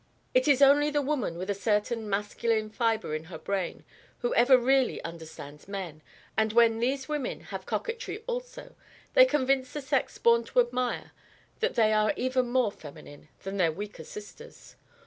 It is only the woman with a certain masculine fibre in her brain who ever really understands men, and when these women have coquetry also, they convince the sex born to admire that they are even more feminine than their weaker sisters.